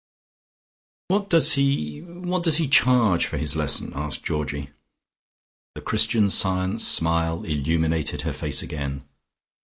"What does he what does he charge for his lesson?" asked Georgie. The Christian Science smile illuminated her face again.